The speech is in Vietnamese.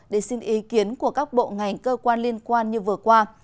để xin ý kiến của các bộ ngành cơ quan liên quan như vừa qua